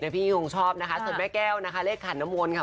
เดี๋ยวพี่หญิงคงชอบนะคะส่วนแม่แก้วนะคะเลขขานมวลค่ะ